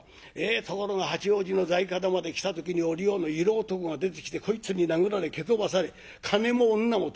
ところが八王子の在方まで来た時におりよの色男が出てきてこいつに殴られ蹴飛ばされ金も女も取られた。